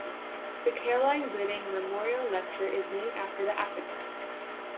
The Caroline Gooding Memorial Lecture is named after the activist.